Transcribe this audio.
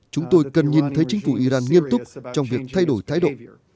chúng tôi cần nhìn thấy chính phủ iran nghiêm túc trong việc thay đổi thái độ